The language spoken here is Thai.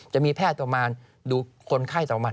จะมีแพทย์ต่อมาดูคนไข้ต่อมา๑ต่อ๓๐๐๐